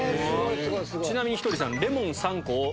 ちなみにひとりさん。